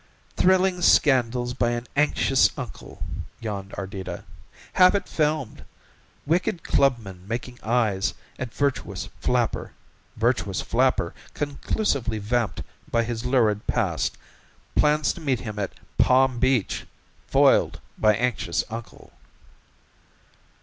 "Thrilling scandals by an anxious uncle," yawned Ardita. "Have it filmed. Wicked clubman making eyes at virtuous flapper. Virtuous flapper conclusively vamped by his lurid past. Plans to meet him at Palm Beach. Foiled by anxious uncle."